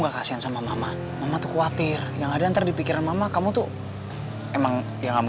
kasihan sama mama mama tuh khawatir yang ada ntar dipikiran mama kamu tuh emang ya kamu